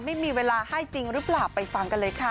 ไม่มีเวลาให้จริงหรือเปล่าไปฟังกันเลยค่ะ